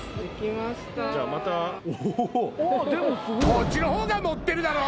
こっちの方が盛ってるだろ！